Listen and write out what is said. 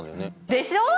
でしょう？